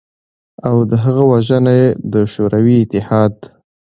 او د هغه وژنه ېې د شوروی اتحاد